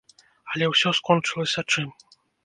Але ўсё скончылася чым?